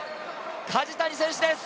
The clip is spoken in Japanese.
梶谷選手です！